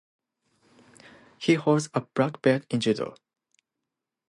He holds a black belt in judo.